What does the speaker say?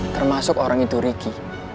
termasuk orang itu ricky